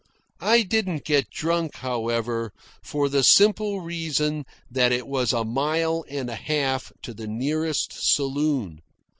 I didn't get drunk, however, for the simple reason that it was a mile and a half to the nearest saloon.